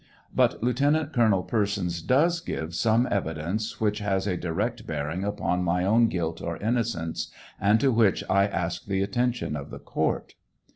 But Lieutenant Colonel Persons does give some evidence which has a direct bearing upon mj own guilt or innocence, and to which I ask the attention of the court.